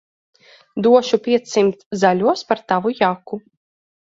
Došu piecsimt zaļos par tavu jaku.